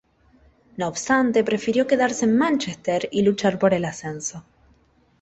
No obstante, prefirió quedarse en Mánchester y luchar por el ascenso.